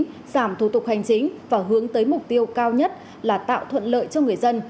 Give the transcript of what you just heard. giảm thủ tục hành chính và hướng tới mục tiêu cao nhất là tạo thuận lợi cho người dân